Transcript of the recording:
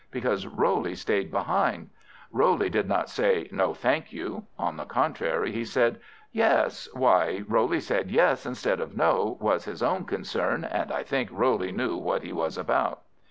Because Roley stayed behind. Roley did not say No, thank you; on the contrary, he said Yes. Why Roley said yes instead of no, was his own concern; and I think Roley knew what he was about.